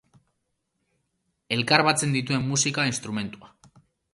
Elkar batzen dituen musika instrumentua.